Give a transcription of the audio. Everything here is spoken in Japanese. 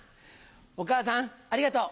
お母さんありがとう。